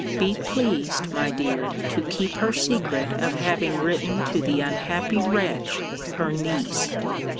Be pleased, my dear, to keep her secret of having written to the unhappy wretch her niece.